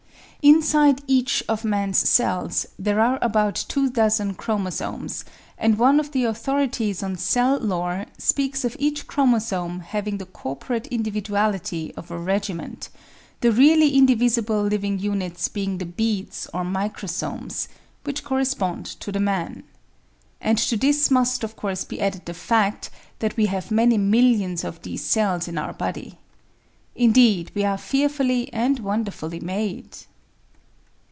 Inside each of man's cells there are about two dozen chromosomes, and one of the authorities on cell lore speaks of each chromosome having the corporate individuality of a regiment, the really indivisible living units being the beads or microsomes — which correspond to the men 1 And to this must of course beaded the fact that we have many millions of these cells in our body. Indeed, we are fearfully and wonderfully made!